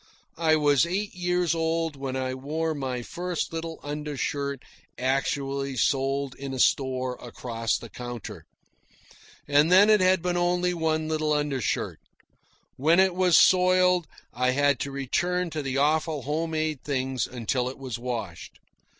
I was eight years old when I wore my first little undershirt actually sold in a store across the counter. And then it had been only one little undershirt. When it was soiled I had to return to the awful home made things until it was washed.